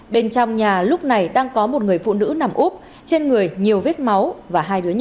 bên trong nhà lúc này đang có một người phụ nữ nằm úp trên người nhiều vết máu và hai đứa nhỏ